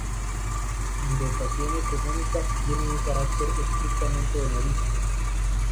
Sin dotación económica, tiene un carácter estrictamente honorífico.